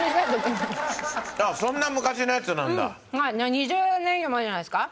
２０年以上前じゃないですか？